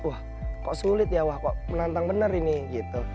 wah kok sulit ya wah kok menantang benar ini gitu